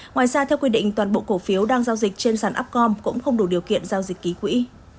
ngoài ra theo quy định toàn bộ cổ phiếu đang giao dịch trên sản upcom cũng không đủ điều kiện giao dịch ký quỹ